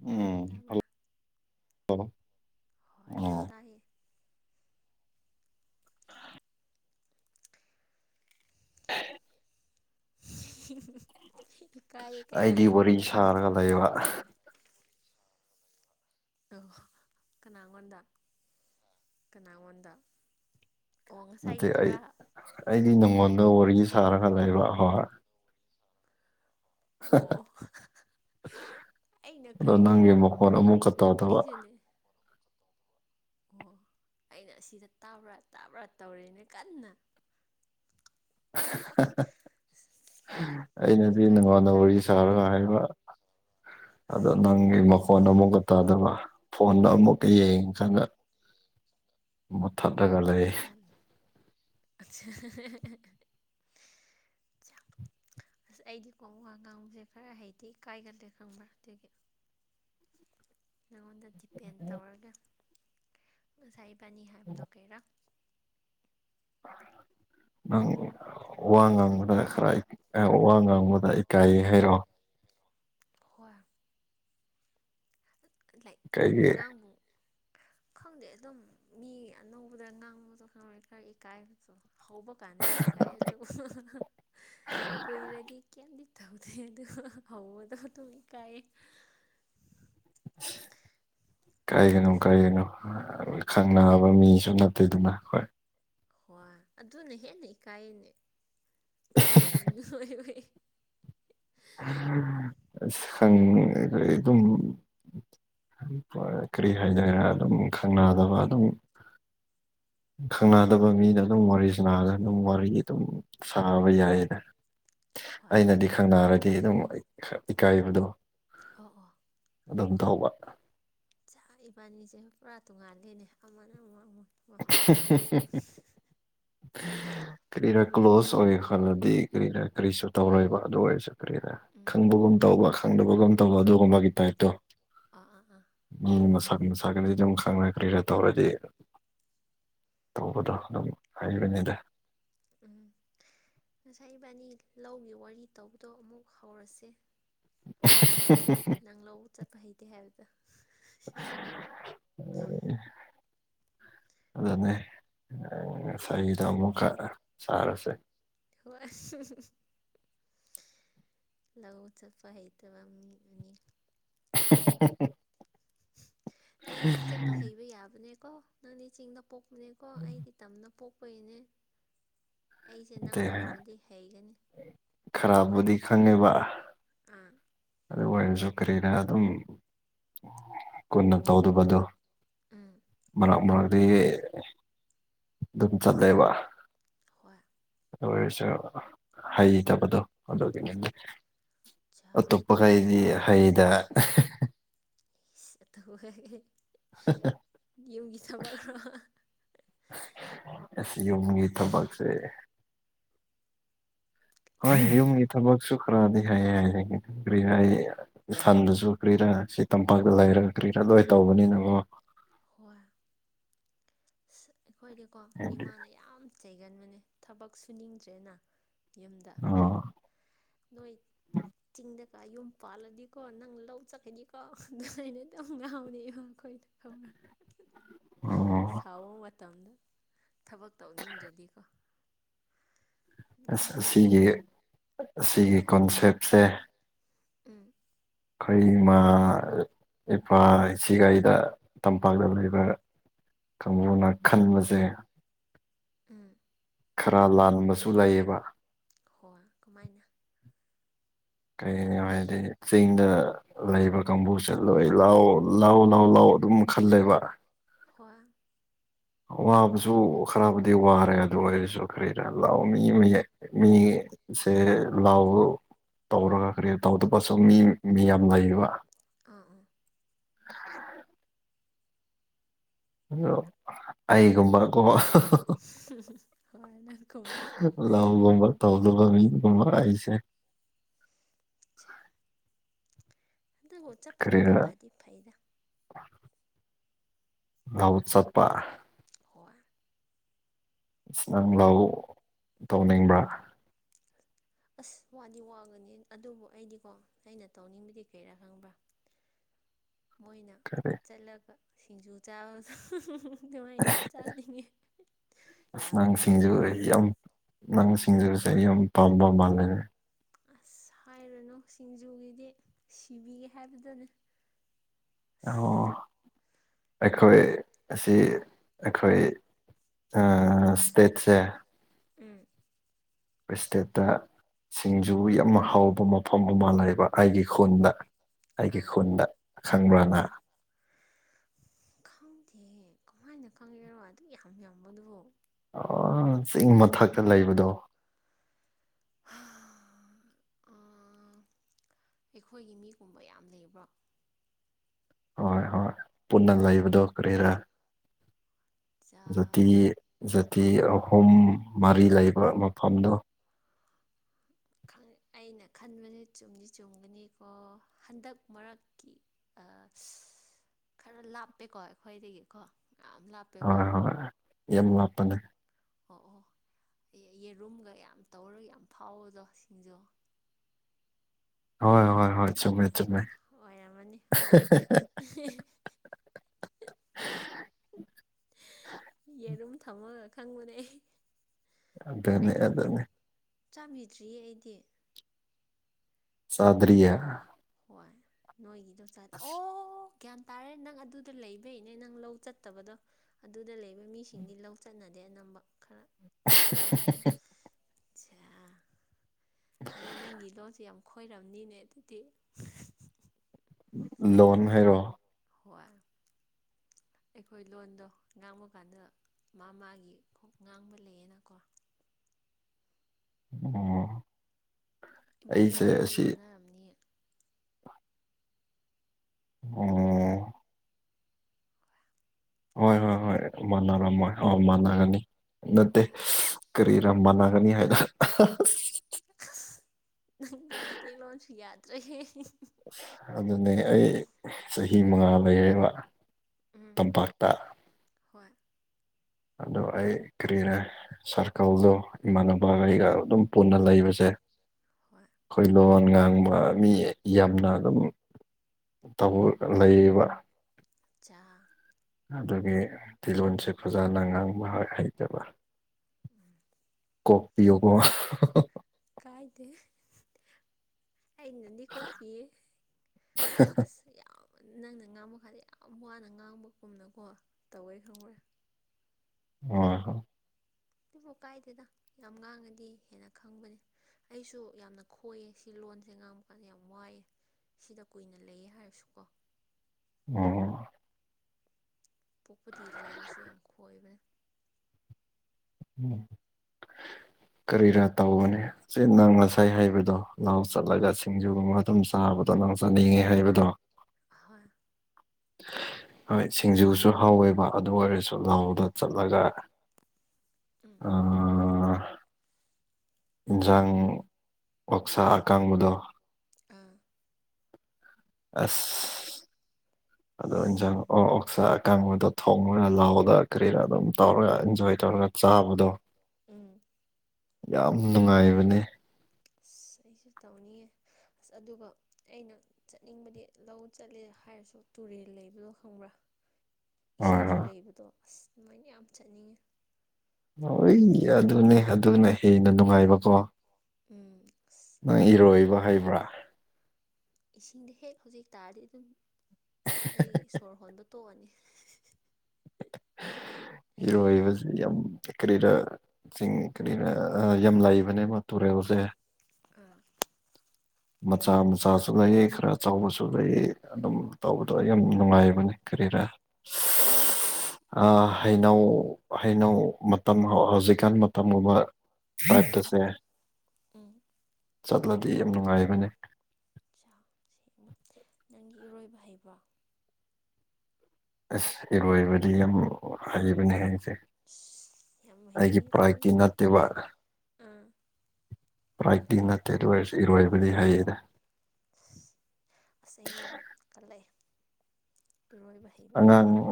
ꯎꯝ ꯍꯜ ꯇꯥꯕ꯭ꯔꯥ ꯍꯂꯣ ꯍꯣꯏ ꯇꯥꯏꯌꯦ [unintelligible] ꯏꯀꯥꯏꯌꯦ ꯀꯩ ꯑꯩꯗꯤ ꯍꯥꯏꯅ ꯋꯥꯔꯤ ꯍꯥꯏꯔ ꯁꯥꯔꯒ ꯈꯪꯗꯦꯃꯨꯛ ꯂꯩꯕ ꯑꯣ ꯀꯅꯥꯉꯣꯟꯗ ꯀꯅꯥꯉꯣꯟꯗ ꯑꯣ ꯅꯠꯇꯦ ꯑꯩ ꯉꯁꯥꯏꯒꯤꯗꯨꯔꯥ ꯑꯩꯗꯤ ꯅꯉꯣꯟꯗ ꯋꯥꯔꯤ ꯁꯥꯔꯒ ꯂꯩꯕ ꯍꯣꯏ ꯑꯣ ꯑꯩꯅ ꯑꯗꯣ ꯀꯔꯤꯔꯥ ꯅꯪꯒꯤ ꯃꯈꯣꯟ ꯑꯃꯨꯛꯀ ꯇꯧꯗꯕ ꯑꯩꯁꯨꯅꯦ ꯑꯣ ꯑꯩꯅ ꯑꯁꯤꯗ ꯇꯥꯕ꯭ꯔꯥ ꯇꯥꯕ꯭ꯔꯥ ꯇꯧꯔꯦꯅꯦ ꯀꯟꯅ [inaudible] ꯑꯩꯅꯗꯤ ꯏꯀꯥꯏꯗꯤ ꯅꯉꯣꯟꯗ ꯏꯀꯥꯏꯌꯦ ꯋꯥꯔꯤ ꯁꯥꯔꯣ ꯍꯥꯏꯕ ꯑꯗꯣ ꯅꯪꯒꯤ ꯃꯈꯣꯟ ꯑꯃꯨꯛꯀ ꯇꯥꯗꯕ ꯐꯣꯟꯗ ꯑꯃꯨꯛ ꯀ ꯌꯦꯡ ꯑꯣ ꯀꯥꯟꯗ ꯃꯨꯊꯠ ꯂꯒ ꯂꯩ ꯒ꯭ꯌꯥꯟ [unintelligible] ꯑꯁ ꯑꯩꯗꯤ ꯀꯣꯋꯥ ꯉꯥꯡꯕꯁꯦ ꯈꯔ ꯍꯩꯇꯤ ꯏꯀꯥꯏꯒꯜꯂꯦ ꯈꯪꯕ꯭ꯔꯥ ꯑꯗꯨꯒꯤ ꯅꯉꯣꯟꯗ ꯗꯤꯄꯦꯟ ꯇꯧꯔꯒ ꯉꯁꯥꯏ ꯏꯕꯥꯅꯤ ꯍꯥꯏꯕꯗꯣ ꯀꯩꯔꯥ [unintelligible] ꯅꯪ ꯋꯥ ꯉꯥꯡꯕꯗ ꯈꯔ ꯋꯥ ꯉꯥꯡꯕꯗ ꯏꯀꯥꯏꯌꯦ ꯍꯥꯏꯔꯣ ꯍꯣꯏ ꯂꯥꯏꯛ ꯀꯩꯒꯤ ꯉꯥꯡꯕꯨ ꯈꯪꯗꯦ ꯑꯗꯨꯝ ꯃꯤ ꯑꯅꯧꯕꯗ ꯉꯥꯡꯕꯁꯨ ꯈꯔ ꯏꯀꯥꯏꯕꯁꯨ ꯍꯧꯕ ꯀꯥꯟꯗꯗꯤ ꯏꯀꯥꯏ ꯑꯗꯨꯕꯨ ꯀꯨꯏꯔꯗꯤ ꯀꯩꯝꯗꯤ ꯇꯧꯗꯦ ꯑꯗꯨ ꯍꯧꯕꯗꯣ ꯑꯗꯨꯝ ꯏꯀꯥꯏ ꯀꯔꯤꯒꯅꯣ ꯉꯁ ꯀꯔꯤꯒꯅꯣ ꯈꯪꯅꯕ ꯃꯤꯁꯨ ꯅꯠꯇꯦꯗꯨꯅ ꯍꯣꯏ ꯍꯣꯏ ꯑꯗꯨꯅ ꯍꯦꯟꯅ ꯏꯀꯥꯏꯅꯦ ꯈꯪꯗꯕ ꯑꯃ ꯂꯣꯏꯔꯦ ꯑꯁ ꯈꯪ ꯑꯗꯨꯝ ꯀꯔꯤ ꯍꯥꯏꯗꯅ ꯑꯗꯨꯝ ꯈꯪꯅꯗꯕ ꯑꯗꯨꯝ ꯈꯪꯅꯗꯕ ꯃꯤꯗ ꯑꯗꯨꯝ ꯋꯥꯔꯤ ꯁꯥꯅꯔꯒ ꯑꯗꯨꯝ ꯋꯥꯔꯤ ꯑꯗꯨꯝ ꯁꯥꯥꯕ ꯌꯥꯏꯔ ꯍꯣꯏ ꯑꯩꯅꯗꯤ ꯈꯪꯅꯔꯗꯤ ꯑꯗꯨꯝ ꯏꯀꯥꯏꯕꯗꯣ ꯑꯣ ꯑꯣ ꯑꯗꯨꯝ ꯇꯧꯕ ꯆꯥꯛ ꯏꯕꯥꯅꯤꯁꯦ ꯄꯨꯔꯥ ꯇꯣꯡꯉꯥꯂꯦꯅꯦ ꯑꯃꯅ ꯑꯃ ꯑꯃ ꯑꯃ ꯀꯔꯤꯅ ꯀ꯭ꯂꯣꯁ ꯑꯣꯏ ꯈꯥꯟꯅꯗꯤ ꯀꯔꯤꯅ ꯀꯔꯤꯁꯨ ꯇꯧꯔꯣꯏꯕ ꯑꯗꯨ ꯑꯣꯏꯔꯁꯨ ꯀꯔꯤꯅ ꯎꯝ ꯈꯪꯕꯒꯨꯝ ꯇꯧꯕ ꯈꯪꯗꯕꯒꯨꯝ ꯇꯧꯕ ꯑꯗꯨꯒꯨꯝꯕꯒꯤ ꯇꯥꯏꯞꯇꯣ ꯑꯥ ꯑꯥ ꯑꯥ ꯎꯝ ꯍꯣꯏ ꯃꯁꯥ ꯃꯁꯥꯒꯅꯤ ꯑꯗꯨ ꯈꯪꯉꯔꯤꯦ ꯇꯧꯔꯗꯤ ꯇꯧꯕꯗꯣ ꯑꯗꯨꯝ ꯍꯩꯕꯅꯤꯗ ꯎꯝ ꯉꯁꯥꯏ ꯏꯕꯥꯅꯤ ꯂꯧꯒꯤ ꯋꯥꯔꯤ ꯇꯧꯕꯗꯣ ꯑꯃꯨꯛ ꯍꯧꯔꯁꯦ ꯅꯪ ꯂ ꯎ ꯆ ꯍꯥꯏꯍꯤꯗꯤ ꯍꯥꯏꯔꯗ ꯑꯗꯨꯅꯤ ꯉ ꯆꯍꯤꯗ ꯑꯃꯨꯛꯀ ꯁꯥꯔꯁꯦ ꯍꯣꯏ ꯂꯧꯎ ꯆꯄ ꯍꯥꯏꯩ ꯇꯕꯅꯤ ꯅꯪꯗꯤ ꯆꯠꯄ ꯍꯩꯕ ꯌꯥꯕꯅꯦꯀꯣ ꯅꯪꯗꯤ ꯆꯤꯡꯗ ꯄꯣꯛꯄꯅꯦꯀꯣ ꯑꯩꯗꯤ ꯇꯝꯅ ꯄꯣꯛꯄꯩꯅꯦ ꯑꯩꯁꯦ ꯅꯪ ꯅꯠꯇꯦ ꯑꯣꯏꯔꯝꯃꯗꯤ ꯍꯩꯒꯅꯤ ꯈꯔꯕꯨꯗꯤ ꯈꯪꯉꯦꯕ ꯑꯥ ꯑꯗꯨ ꯑꯣꯏꯔꯁꯨ ꯀꯔꯤꯅ ꯑꯗꯨꯝ ꯀꯨꯟꯅ ꯇꯧꯗꯕꯗꯨꯣ ꯎꯝ ꯃꯔꯛ ꯃꯔꯛꯇ ꯑꯗꯨꯝ ꯆꯠꯂꯕ ꯍꯣꯏ ꯑꯣꯏꯣꯏꯁꯨ ꯍꯩꯇꯕꯗꯣ ꯑꯗꯨꯒꯤꯅꯤꯅꯦ ꯆꯥ ꯄꯈꯥꯏꯗꯤ ꯍꯥꯏ ꯗ ꯌꯨꯝꯒꯤ ꯊꯕꯛ꯭ꯔꯣ ꯑꯁꯤ ꯌꯨꯝꯒꯤ ꯊꯕꯛꯁꯦ ꯍꯣꯏ ꯌꯨꯝꯒꯤ ꯊꯕꯛꯁꯨ ꯈꯔꯗꯤ ꯍꯥꯏꯌꯦ ꯍꯥꯏꯌꯦ ꯀꯔꯤ ꯍꯥꯏ ꯏꯊꯟꯗꯁꯨ ꯀ꯭ꯔꯤꯔꯥ ꯁꯤ ꯇꯝꯄꯥꯛꯇ ꯂꯩꯔ ꯀ꯭ꯔꯤꯔꯥ ꯂꯣꯏ ꯇꯧꯕꯅꯤꯅꯀꯣ ꯍꯔ ꯑꯩꯈꯣꯏꯗꯤꯀꯣ ꯍꯥꯏꯗꯤ ꯏꯃꯥꯅ ꯌꯥꯝ ꯆꯩꯒꯟꯕꯅꯦ ꯊꯕꯛ ꯁꯨꯅꯤꯡꯗ꯭ꯔꯦꯅ ꯌꯨꯝꯗ ꯑꯣ ꯅꯣꯏ ꯆꯤꯡꯗꯀ ꯌꯨꯝ ꯄꯥꯜꯂꯗꯤꯀꯣ ꯅꯪ ꯂꯧ ꯆꯠꯀꯅꯤꯀꯣ ꯑꯗꯨꯃꯥꯏꯅ ꯑꯗꯨꯝ ꯉꯥꯎꯅꯦꯕ ꯑꯩꯈꯣꯏꯗꯣ ꯍꯧꯅ ꯑꯣ ꯁꯥꯎꯕ ꯃꯇꯝꯗ ꯊꯕꯛ ꯇꯧꯅꯤꯡꯗ꯭ꯔꯗꯤꯀꯣ ꯑꯁ ꯅꯣꯛꯅꯤꯡ ꯑꯁꯤꯒꯤ ꯑꯁꯤꯒꯤ ꯀꯣꯟꯁꯦꯞꯁꯦ ꯎꯝ ꯑꯩꯈꯣꯏ ꯏꯃꯥ ꯏꯄꯥ ꯏꯁꯤꯒ ꯑꯩꯗ ꯇꯝꯄꯥꯛꯇ ꯂꯩꯕ ꯀꯥꯡꯕꯨꯅ ꯈꯟꯕꯁꯦ ꯎꯝ ꯈꯔ ꯂꯥꯟꯕꯁꯨ ꯂꯩꯌꯦꯕ ꯍꯣꯏ ꯀꯃꯥꯏꯅ ꯀꯩꯩꯅꯣ ꯍꯥꯏꯗꯤ ꯆꯤꯡꯗ ꯂꯩꯕ ꯀꯥꯡꯕꯨ ꯆꯠꯂꯣꯏ ꯂꯥꯎ ꯂꯥꯎ ꯂꯥꯎ ꯂꯥꯎ ꯑꯗꯨꯝ ꯈꯜꯂꯦꯕ ꯍ ꯋꯥꯕꯁꯨ ꯈꯔꯕꯨꯗꯤ ꯋꯥꯔꯦ ꯑꯗꯨ ꯑꯣꯏꯔꯁꯨ ꯈꯔꯤꯗ ꯂꯥꯛꯑꯣ ꯃꯤ ꯑꯃ ꯃꯤ ꯁꯦ ꯂꯥꯎ ꯇꯧꯔꯒ ꯀꯔꯤ ꯇꯧꯗꯄꯁꯨ ꯃꯤ ꯃꯤ ꯌꯥꯝ ꯂꯩꯌꯦꯕ ꯑꯥ ꯑꯥ ꯑꯗꯣ ꯑꯩꯒꯨꯝꯕ ꯍꯣꯏ ꯅ ꯀꯩꯕ ꯂꯧꯒꯨꯝꯕ ꯇꯧꯗꯕ ꯃꯤꯒꯨꯝꯕ ꯑꯩꯁꯦ ꯑ ꯑꯗꯨꯇꯕꯨ ꯆꯠꯄꯅꯗꯤ ꯐꯗꯤ ꯐꯩꯔꯥ ꯂꯎ ꯆꯠꯄꯥ ꯍꯣꯏ ꯑ ꯅꯪ ꯂꯥꯎ ꯇꯧꯅꯤꯡꯕ꯭ꯔꯥ ꯑꯁ ꯋꯥꯗꯤ ꯋꯥꯒꯅꯤ ꯑꯗꯨꯕꯨ ꯑꯩꯗꯤꯀꯣ ꯑꯩꯅ ꯇꯧꯅꯤꯡꯕꯗꯤ ꯀꯩꯔꯥ ꯈꯪꯕ꯭ꯔꯥ [inaudible] ꯃꯣꯏꯅ ꯀꯔꯤ ꯆꯠꯂꯒ ꯁꯤꯡꯖꯨ ꯆꯥꯕꯗ ꯅꯨꯡꯉꯥꯏꯅ ꯆꯥꯔꯤꯉꯦ ꯑꯁ ꯌꯥꯝ ꯅꯪ ꯁꯤꯡꯖꯨ ꯅꯨꯡꯉꯥꯏꯗꯣꯏ ꯃꯥꯂ ꯌꯥꯝ ꯅꯪ ꯁꯤꯡꯖꯕꯁꯦ ꯑꯩ ꯌꯥꯝ ꯄꯥꯝꯕ ꯃꯥꯜꯂꯦ ꯑꯁ ꯍꯥꯏꯔꯨꯅꯨ ꯁꯤꯡꯖꯨꯒꯤꯗꯤ ꯁꯤꯕꯤꯒꯦ ꯍꯥꯏꯕꯗꯨꯅꯦ ꯑꯣ ꯑꯁ ꯑꯩꯈꯣꯏ ꯑꯁꯤ ꯑꯩꯈꯣꯏ ꯁꯇꯦꯠꯁꯦ ꯎꯝ ꯇꯦꯠꯠꯇ ꯁꯤꯡꯖꯨ ꯌꯥꯝꯅ ꯍꯥꯎꯕ ꯃꯐꯝ ꯑꯃ ꯂꯩꯕ ꯑꯩꯒꯤ ꯈꯨꯟꯗ ꯑꯩꯒꯤ ꯑꯥ ꯈꯨꯟꯗ ꯈꯪꯕ꯭ꯔꯅ ꯍꯣꯏ ꯈꯪꯗꯦ ꯀꯃꯥꯏꯅ ꯈꯪꯉꯦꯔꯣ ꯑꯗꯨ ꯌꯥꯝ ꯌꯥꯝꯕꯗꯨꯕꯣ ꯑ ꯆꯤꯡ ꯃꯊꯛꯇ ꯂꯩꯕꯗꯣ ꯑꯩꯈꯣꯏꯒꯤ ꯃꯤꯒꯨꯝꯕ ꯌꯥꯝ ꯂꯩꯕ꯭ꯔꯣ ꯍꯣꯏ ꯍꯣꯏ ꯄꯨꯟꯅ ꯂꯩꯕꯗꯣ ꯀꯔꯤꯔ ꯖꯥ ꯍꯧꯛꯇꯤ ꯖꯥꯇꯤ ꯑꯍꯨꯝ ꯃꯔꯤ ꯂꯩꯕ ꯃꯐꯝꯗꯣ ꯑꯩꯅ ꯈꯟꯕꯅꯦ ꯆꯨꯝꯗꯤ ꯆꯨꯝꯒꯅꯤꯀꯣ ꯍꯟꯗꯛ ꯃꯔꯛꯀꯤ ꯑ ꯈꯔ ꯂꯥꯞꯄꯦꯀꯣ ꯑꯩꯈꯣꯏꯗꯒꯤꯀꯣ ꯃꯌꯥꯝ ꯂꯥꯞꯄꯦ ꯍꯣꯏ ꯍꯣꯏ ꯌꯥꯝ ꯋꯥꯞꯄꯅꯦ ꯑꯣ ꯑꯣ ꯐ ꯌꯦꯔꯨꯝꯒ ꯌꯥꯝ ꯇꯧꯔꯒ ꯌꯥꯝ ꯐꯥꯎꯕꯗꯣ ꯁꯤꯡꯖꯣ ꯍꯣꯏ ꯍꯣꯏ ꯍꯣꯏ ꯆꯨꯝꯃꯦ ꯍ ꯆꯨꯝꯃꯦ ꯑꯣꯏꯔꯝꯃꯅꯤ ꯍꯣꯏ ꯌꯦꯔꯨꯝ ꯊꯝꯃꯒ ꯈꯪꯕꯅꯦ ꯑꯩ ꯑꯗꯨꯗꯅꯦ ꯑꯗꯨ ꯑꯗꯨꯅꯤꯅꯦ ꯆꯥꯃꯤꯗ꯭ꯔꯤꯌꯦ ꯑꯩꯗꯤ ꯆꯗꯔꯤꯌꯥ ꯍꯣꯏ ꯅꯣꯏꯒꯤꯗ ꯆꯥ ꯑꯣ ꯒ꯭ꯌꯥꯟ ꯇꯥꯔꯦ ꯅꯪ ꯑꯗꯨꯗ ꯂꯩꯕꯩꯅꯦ ꯅꯪ ꯂꯧ ꯆꯠꯇꯕꯗꯣ ꯑꯗꯨꯗ ꯂꯩꯕ ꯃꯤꯁꯤꯡꯗꯤ ꯂꯧ ꯆꯠꯅꯗꯦ ꯑꯅꯝꯕ ꯈꯔ ꯑ ꯑꯠꯆꯥꯦ ꯑꯗꯩ ꯅꯪꯒꯤ ꯂꯣꯟꯁꯦ ꯌꯥꯝ ꯈꯣꯏꯔꯔꯕꯅꯤꯅꯦ ꯑꯗꯨꯗꯤ [inaudible] ꯂꯣꯟ ꯍꯥꯏꯔꯣ ꯍꯣꯏ ꯑꯩꯈꯣꯏ ꯂꯣꯟꯗꯣ ꯉꯥꯡꯕ ꯀꯥꯟꯗ ꯃꯥ ꯃꯥꯒꯤ ꯈ ꯉꯥꯡꯕ ꯂꯩꯌꯦꯅꯀꯣ ꯑꯣ ꯑꯩꯁꯦ ꯏꯕꯥꯅꯤꯒꯤ ꯂꯣꯟ ꯑꯁꯤ ꯃꯥꯟꯅꯔꯝꯅꯤ ꯎꯝ ꯍꯣꯏ ꯍꯣꯏ ꯍꯣꯏ ꯃꯥꯟꯅꯔꯝꯃꯣꯏ ꯑ ꯃꯥꯟꯅꯒꯅꯤ ꯅꯠꯇꯦ ꯍꯣꯏ ꯀꯔꯤꯔꯝ ꯃꯥꯟꯅꯒꯅꯤ ꯍꯥꯏꯅ ꯑ ꯅꯪꯒꯤ ꯃꯩꯇꯩꯂꯣꯟꯁꯨ ꯌꯥꯗ꯭ꯔꯦꯍꯦ ꯑ ꯑꯗꯨꯅꯦ ꯑꯩ ꯆꯍꯤ ꯃꯉꯥ ꯂꯩꯔꯦꯕ ꯎꯝ ꯇꯝꯄꯥꯛꯇ ꯍꯣꯏ ꯑꯗꯣ ꯑꯩ ꯀꯔꯤꯔꯦ ꯁꯥꯔꯀꯜꯗꯣ ꯎꯝ ꯏꯃꯥꯟꯅꯕꯒꯩꯒ ꯑꯗꯨꯝ ꯄꯨꯟꯅ ꯂꯩꯕꯁꯦ ꯍꯣꯏ ꯑꯩꯈꯣꯏ ꯂꯣꯟ ꯉꯥꯡꯕ ꯃꯤ ꯌꯥꯝꯅ ꯑꯗꯨꯝ ꯂꯩꯔꯤꯕꯕ ꯆꯥ ꯑꯗꯨꯒꯤ ꯇꯤꯂꯣꯟꯁꯦ ꯐꯖꯅ ꯉꯥꯡꯕ ꯍꯩꯇꯕ ꯎꯝ ꯀꯣꯛꯄꯤꯌꯨꯕꯣ ꯀꯥꯏꯗꯦ ꯑꯩꯅꯗꯤ ꯀꯣꯄꯤꯌꯦ ꯑꯁ ꯌꯥꯝ ꯅꯪꯅ ꯉꯥꯡꯕ ꯀꯥꯟꯗ ꯌꯥꯝ ꯋꯥꯅ ꯉꯥꯡꯕꯒꯨꯝꯅꯀꯣ ꯇꯧꯋꯦ ꯈꯪꯉꯨꯔꯦ ꯑꯣ ꯍꯣ ꯑꯗꯨꯕꯨ ꯀꯥꯏꯗꯦꯗ ꯌꯥꯝ ꯉꯥꯡꯉꯗꯤ ꯍꯦꯟꯅ ꯈꯪꯕꯅꯦ ꯑꯩꯁꯨ ꯌꯥꯝꯅ ꯈꯣꯏꯌꯦ ꯁꯤ ꯂꯣꯟꯁꯦ ꯉꯥꯡꯕ ꯀꯥꯟꯗ ꯌꯥꯝ ꯋꯥꯏꯑꯦ ꯁꯤꯗ ꯀꯨꯏꯅ ꯂꯩꯌꯦ ꯍꯥꯏꯔꯁꯨ ꯀꯣ ꯑꯣꯝ ꯄꯣꯛꯄꯗꯤ ꯂꯩꯔꯁꯨ ꯌꯥꯝ ꯈꯣꯏꯕꯅꯤ ꯎꯝ ꯀꯔꯤꯔꯥ ꯇꯥꯎꯧꯕꯅꯦ ꯁꯤ ꯅꯪ ꯉꯁꯥꯏ ꯍꯥꯏꯩꯕꯗꯣ ꯂꯥꯎ ꯆꯠꯂꯒ ꯁꯤꯡꯖꯨꯒꯨꯝꯕ ꯑꯗꯨꯝ ꯆꯥꯕꯗꯣ ꯅꯪ ꯆꯠꯅꯤꯡꯉꯤ ꯍꯥꯏꯕꯗꯣ ꯍꯣꯏ ꯍꯣꯏ ꯁꯤꯡꯖꯨꯁꯨ ꯍꯥꯎꯋꯦꯕ ꯑꯗꯨ ꯑꯣꯏꯔꯁꯨ ꯎꯝ ꯂꯥꯎꯗ ꯆꯠꯂꯒ ꯎꯝ ꯏꯟꯖꯥꯡ ꯑꯣꯛꯁꯥ ꯑꯀꯥꯡꯕꯗꯣ ꯑꯥ ꯑꯁ ꯑꯗꯣ ꯆꯉꯣ ꯑꯣ ꯑꯣꯁꯥ ꯀꯥꯡꯕꯨꯗꯣ ꯊꯣꯡꯉꯒ ꯂꯥꯎꯔ ꯀꯔꯤꯔꯥ ꯑꯗꯨꯝ ꯇꯧꯔꯒ ꯏꯟꯖꯣꯏ ꯇꯧꯔꯒ ꯆꯥꯕꯗꯣ ꯎꯝ ꯌꯥꯝ ꯅꯨꯡꯉꯥꯏꯕꯅꯤ ꯑꯁ ꯑꯩꯁꯨ ꯇꯧꯅꯤꯡꯌꯦꯦ ꯑꯁ ꯑꯗꯨꯒ ꯑꯩꯅ ꯆꯠꯅꯤꯡꯕꯗꯤ ꯂꯧ ꯆꯠꯂꯦ ꯍꯥꯏꯔꯁꯨ ꯇꯨꯔꯦꯜ ꯂꯩꯕꯗꯣ ꯈꯪꯕ꯭ꯔꯥ ꯍꯣꯏ ꯏꯁꯤꯡꯁꯨ ꯍꯣꯏ ꯂꯩꯕꯗꯣ ꯑꯁ ꯑꯗꯨꯃꯥꯏꯅ ꯌꯥꯝ ꯆꯠꯅꯤꯡꯉꯦ ꯍꯣꯏ ꯑꯗꯨꯅꯦ ꯑꯗꯨꯅ ꯍꯦꯟꯅ ꯅꯨꯡꯉꯥꯏꯕꯀꯣ ꯎꯝ ꯅꯪ ꯏꯔꯣꯏꯕ ꯍꯩꯕ꯭ꯔꯥ ꯏꯁꯤꯡꯗ ꯍꯦꯛ ꯍꯧꯖꯤꯛ ꯇꯥꯔꯗꯤ ꯑꯗꯨꯝ ꯑꯩ ꯁꯣꯔ ꯍꯣꯟꯕ ꯇꯣꯛꯑꯅꯤ ꯏꯔꯣꯏꯕꯕꯁꯤ ꯌꯥꯝ ꯀꯔꯤꯔ ꯆꯤꯡ ꯀꯔꯤꯅ ꯌꯥꯝ ꯂꯩꯕꯅꯦ ꯃꯥ ꯇꯨꯔꯦꯜꯁꯦ ꯑꯥ [unintelligible] ꯃꯆꯥ ꯃꯆꯥꯁꯨ ꯂꯩꯑꯦ ꯈꯔ ꯆꯥꯎꯕꯁꯨ ꯂꯩꯑ ꯑꯗꯨꯝ ꯇꯧꯕꯗꯣ ꯌꯥꯝ ꯅꯨꯡꯉꯥꯏꯕꯅꯤ ꯀꯔꯤꯔꯥ ꯑꯥ ꯍꯩꯅꯧ ꯍꯩꯅꯧ ꯃꯇꯝ ꯍꯧꯖꯤꯛꯀꯥꯟ ꯃꯇꯝꯒꯨꯝꯕ ꯑ ꯎꯝ ꯇꯁꯦ ꯎꯝ ꯆꯠꯂꯗꯤ ꯌꯥꯝ ꯅꯨꯡꯉꯥꯏꯕꯅꯦ ꯆ ꯁꯦꯡꯕ ꯅꯪꯒꯤ ꯏꯔꯣꯏꯕ ꯍꯩꯕ꯭ꯔꯣ ꯑꯁ ꯏꯔꯣꯏꯕꯗꯤ ꯌꯥꯝ ꯍꯩꯕꯅꯦ ꯑꯩꯁꯦ ꯑꯁ ꯌꯥꯝ ꯍꯩ ꯑꯩꯒꯤ ꯐꯩ ꯄ꯭ꯔꯥꯏꯇꯤ ꯅꯠꯇꯦꯕ ꯑꯥ ꯄ꯭ꯔꯥꯏꯇꯤ ꯅꯠꯇꯦ ꯑꯗꯨ ꯑꯣꯏꯔꯁꯨ ꯏꯔꯣꯏꯕꯗꯤ ꯍꯩꯌꯦꯗ ꯑꯥꯁ ꯑꯩꯗꯤ ꯌꯥꯝ ꯀꯂꯛꯑꯦ ꯑꯉꯥꯡ ꯃꯤꯀꯣ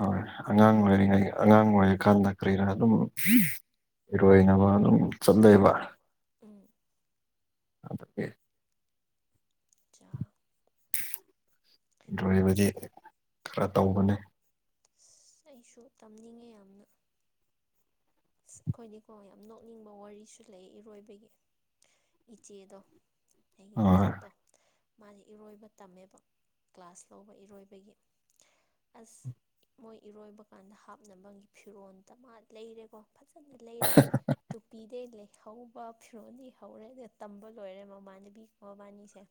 ꯑ ꯍꯣꯏ ꯑꯉꯥꯡ ꯑꯣꯏꯔꯤꯉꯩ ꯑꯉꯥꯡ ꯑꯣꯏꯔꯀꯥꯟꯗ ꯀꯔꯤꯔꯥ ꯑꯗꯨꯝ [unintelligible] ꯏꯔꯣꯏꯅꯕ ꯑꯗꯨꯝ ꯆꯠꯂꯦꯕ ꯎꯝ ꯑꯥꯗꯨꯒꯤ ꯆ ꯗ꯭ꯔꯕꯗꯤ ꯑꯁ ꯈꯔ ꯇꯧꯕꯅꯦ ꯑꯩꯁꯨ ꯇꯝꯅꯤꯡꯉꯦ ꯌꯥꯝꯅ ꯑꯁ ꯑꯩꯈꯣꯏꯅꯤꯀꯣ ꯌꯥꯝ ꯅꯣꯛꯅꯤꯡꯕ ꯋꯥꯔꯤꯁꯨ ꯂꯩ ꯏꯔꯣꯏꯕꯒꯤ ꯏꯆꯦꯗꯣ ꯑꯩꯒꯤ ꯑꯣꯏ ꯃꯊꯛꯇꯣ ꯃꯥꯗꯤ ꯏꯔꯣꯏꯕ ꯇꯝꯃꯦꯕ ꯀ꯭ꯂꯥꯁ ꯂꯧꯕ ꯏꯔꯣꯏꯕꯒꯤ ꯑꯁ ꯃꯣꯏ ꯏꯔꯣꯏꯕ ꯀꯥꯟꯗ ꯍꯥꯞꯅꯕꯒꯤ ꯐꯤꯔꯣꯜ ꯗꯃꯥꯗ ꯂꯩꯔꯦꯀꯣ ꯐꯖꯅ ꯂꯩꯔꯦ ꯇꯨꯄꯤꯗꯩ ꯂꯩ ꯍꯧꯕ ꯐꯤꯔꯣꯜꯗꯤ ꯍꯧꯔꯦ ꯇꯝꯕ ꯂꯣꯏꯔꯦ ꯃꯃꯥꯟꯅꯕꯤ ꯃꯕꯥꯟꯅꯤꯁꯦ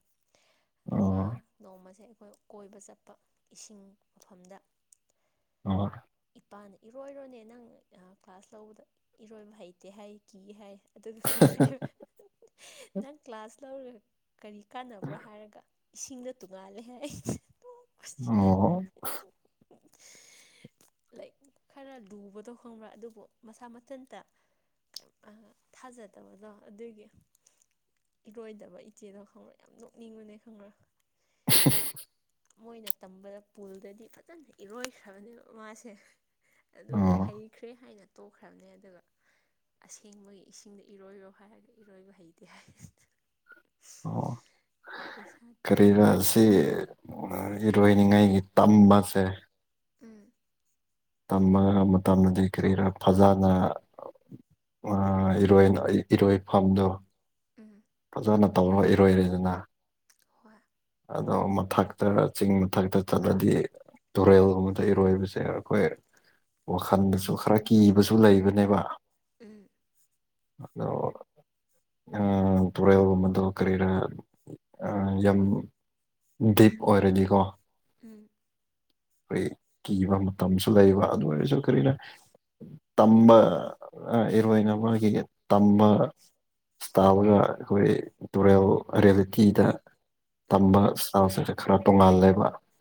ꯑꯗꯨꯒ ꯑꯣ ꯅꯣꯡꯃꯁꯦ ꯑꯩꯈꯣꯏ ꯀꯣꯏꯕ ꯆꯠꯄ ꯏꯁꯤꯡ ꯃꯐꯝꯗ ꯑꯣ ꯏꯄꯥꯅꯦ ꯏꯔꯣꯏꯔꯣꯅꯦ ꯅꯪ ꯀ꯭ꯂꯥꯁ ꯂꯧꯕꯗ ꯏꯔꯣꯏꯕ ꯍꯩꯇꯦ ꯍꯥꯏ ꯀꯤ ꯍꯥꯏ ꯑꯗꯨꯒ ꯀꯔꯤ ꯍꯥꯏꯕ [unintelligible] ꯅꯪ ꯀ꯭ꯂꯥꯁ ꯂꯧꯔꯒ ꯀꯔꯤ ꯀꯥꯟꯅꯕ꯭ꯔꯥ ꯍꯥꯏꯔꯒ ꯏꯁꯤꯡꯗ ꯇꯣꯡꯉꯥꯜꯂꯦ ꯍꯥꯏ [unintelligible] [unintelligible] ꯃꯁꯤꯅ ꯑꯣ ꯑꯣ ꯂꯥꯏꯔꯤꯛ ꯈꯔ ꯂꯨꯕꯗꯣ ꯈꯪꯕ꯭ꯔꯥ ꯑꯗꯨꯕꯨ ꯃꯁꯥ ꯃꯊꯟꯇ ꯊꯥꯖꯗꯕꯗꯣ ꯑꯗꯨꯒꯤ ꯏꯔꯣꯏꯗꯕ ꯏꯆꯦꯗꯣ ꯈꯪꯕ꯭ꯔꯦ ꯌꯥꯝ ꯅꯣꯛꯅꯤꯡꯕꯅꯦ ꯈꯪꯕ꯭ꯔ ꯂꯩ ꯃꯣꯏꯅ ꯇꯝꯕꯗ ꯄꯨꯜꯗꯗꯤ ꯐꯖꯅ ꯏꯔꯣꯏꯈ꯭ꯔꯕꯅꯦꯕ ꯃꯥꯁꯦ ꯁꯦ ꯑꯗꯨꯒ ꯑꯣ ꯍꯩꯈ꯭ꯔꯦ ꯍꯥꯏꯅ ꯇꯣꯛꯈ꯭ꯔꯕꯅꯦ ꯑꯗꯨꯒ ꯑꯁꯦꯡꯕꯒꯤ ꯏꯁꯤꯡꯗ ꯏꯔꯣꯏꯔꯣ ꯍꯥꯏꯔꯒ ꯏꯔꯣꯏꯕ ꯍꯩꯇꯦ ꯍꯥꯏ ꯑꯣ [unintelligible] ꯄꯩꯁꯥ ꯇꯤꯡꯉꯦ ꯀꯔꯤꯔꯥ ꯁꯤ ꯏꯔꯣꯏꯅꯤꯉꯥꯏꯒꯤ ꯇꯝꯕꯁꯦ ꯎꯝ ꯇꯝꯃ ꯃꯇꯝꯗꯗꯤ ꯀꯔꯤ ꯈꯔꯥ ꯐꯖꯅ ꯑ ꯏꯔꯣꯏꯅ ꯏꯔꯣꯏꯐꯝꯗꯣ ꯎꯝ ꯐꯖꯅ ꯇꯧꯔ ꯏꯔꯣꯏꯔꯦꯗꯅ ꯍꯣꯏ ꯑꯗꯣ ꯃꯊꯛꯇꯔꯥ ꯆꯤꯡ ꯃꯊꯛꯇ ꯆꯠꯂꯗꯤ ꯇꯨꯔꯦꯜꯒꯨꯝꯕꯗ ꯏꯔꯣꯏꯕꯁꯦ ꯑꯩꯈꯣꯏ ꯋꯥꯈꯜꯗꯁꯨ ꯈꯔ ꯀꯤꯕꯁꯨ ꯂꯩꯕꯅꯦꯕ ꯎꯝ ꯑꯗꯣ ꯎꯝ ꯇꯔꯕ ꯃꯗ ꯀꯔꯔ ꯌꯥꯝ ꯗꯤꯞ ꯑꯣꯏꯔꯗꯤꯀꯣ ꯎꯝ ꯑꯩꯈꯣꯏ ꯀꯤꯕ ꯃꯇꯝꯁꯨ ꯂꯩꯕ ꯑꯗꯨ ꯑꯣꯏꯔꯁꯨ ꯀꯔꯤꯅ ꯇꯝꯕ ꯑ ꯏꯋꯥ ꯏꯅ ꯑꯃꯒꯤꯒ ꯇꯝꯕ ꯁꯇꯥꯥꯕꯅ ꯑꯩꯈꯣꯏ ꯇꯨꯔꯦꯜ ꯔꯤꯌꯦꯂꯤꯇꯤꯗ ꯎꯝ ꯇꯝꯕ ꯏꯁꯇꯥꯜꯇꯛꯁꯔ ꯈꯔ ꯇꯣꯉꯥꯜꯂꯦꯕ